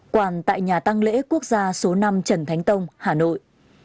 quàn tại nhà tăng lễ quốc gia số năm trần thánh tông hà nội